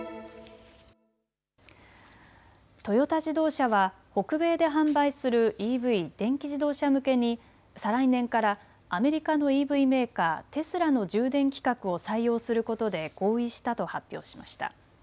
トヨタ自動車は北米で販売するＥＶ・電気自動車向けに再来年からアメリカのＥＶメーカー、テスラの充電規格を採用することで合意したと発表しました。